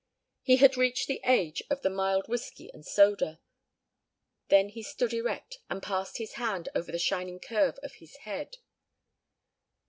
He had reached the age of the mild whiskey and soda. Then he stood erect and passed his hand over the shining curve of his head.